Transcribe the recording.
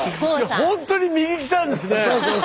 ほんとに右来たんですね。